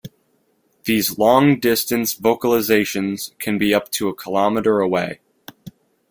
These long distance vocalizations can be up to a kilometer away.